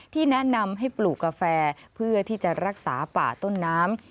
แนะนำให้ปลูกกาแฟเพื่อที่จะรักษาป่าต้นน้ำ